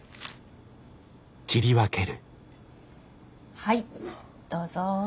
はいどうぞ。